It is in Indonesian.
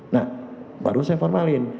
nah baru saya formalin